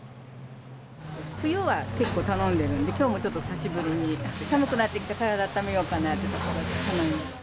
冬は結構頼んでるんで、きょうもちょっと、久しぶりに寒くなって体温めようかなと。